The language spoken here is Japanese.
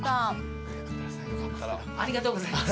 ありがとうございます。